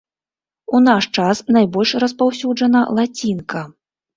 У наш час найбольш распаўсюджана лацінка.